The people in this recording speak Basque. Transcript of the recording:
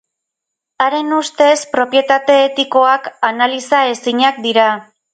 Haren ustez, propietate etikoak analizaezinak dira.